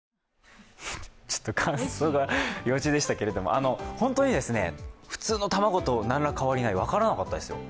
ちょっと感想が幼稚でしたけれども本当に、普通の卵と何ら変わりない、分からなかったですよ。